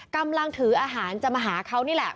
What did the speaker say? กำลังถืออาหารจะมาหาเขานี่แหละ